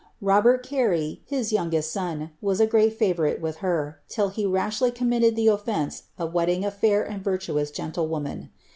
Robert Carey, his youngest son, was a great favourite with her, till he rashlv committed the offence of wedding a fair and virtuous gentlewoman.